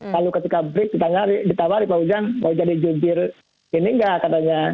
lalu ketika break ditawari pak ujang mau jadi jubir ini nggak katanya